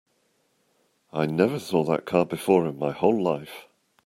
I never saw that car before in my whole life.